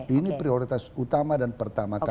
ini prioritas utama dan pertama tama